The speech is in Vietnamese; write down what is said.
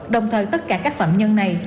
đồng thời tất cả các phạm nhân này